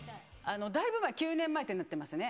だいぶ前、９年前ってなってますね。